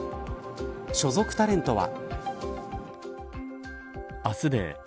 所属タレントは。